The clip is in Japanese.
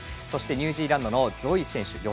そしてニュージーランドのゾイ選手。